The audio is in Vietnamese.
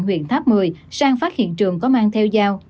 huyện tháp một mươi sang phát hiện trường có mang theo dao